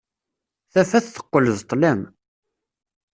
Tafat teqqel d ṭṭlam.